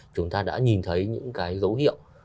chúng ta đã nhìn thấy những cái dấu hiệu